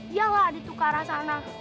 iyalah ada tukar sana